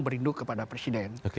berinduk kepada presiden